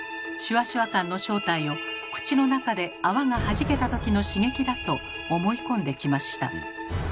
シュワシュワ感の正体を口の中で泡がはじけた時の刺激だと思い込んできました。